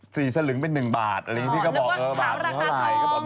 สีสะหลึงเป็น๑บาทพี่ก็บอกเยอะกว่าบาทเท่าไร